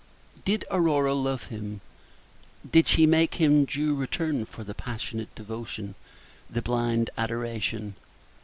Did Aurora love him? Did she make him due return for the passionate devotion, the blind adoration?